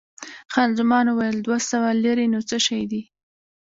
خان زمان وویل، دوه سوه لیرې نو څه شی دي؟